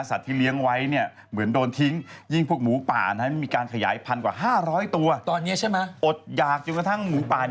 สัตว์ที่เลี้ยงไว้เหมือนโดนทิ้ง